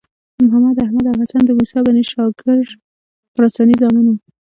محمد، احمد او حسن د موسی بن شاګر خراساني زامن وو.